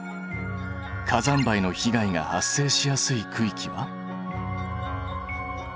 火山灰の被害が発生しやすい区域は？